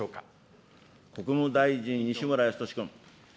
国務大臣、西村康稔君。